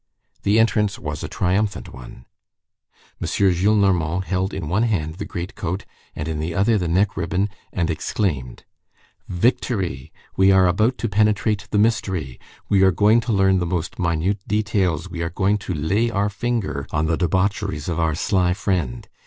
The entrance was a triumphant one. M. Gillenormand held in one hand the great coat, and in the other the neck ribbon, and exclaimed:— "Victory! We are about to penetrate the mystery! We are going to learn the most minute details; we are going to lay our finger on the debaucheries of our sly friend!